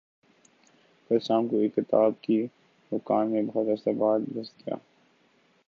کل شام کو ایک کتاب کی دکان میں بہت عرصہ بعد گھس گیا